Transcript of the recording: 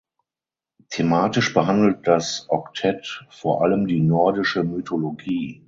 Thematisch behandelt das Oktett vor allem die Nordische Mythologie.